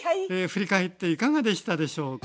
振り返っていかがでしたでしょうか？